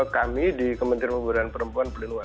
kami di kementerian pembuduhan perempuan